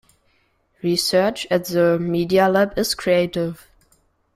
Research at the Media Lab is creative.